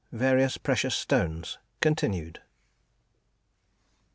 VARIOUS PRECIOUS STONES _continued.